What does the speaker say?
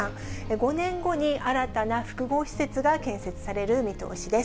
５年後に、新たな複合施設が建設される見通しです。